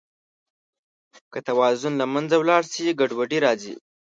که توازن له منځه ولاړ شي، ګډوډي راځي.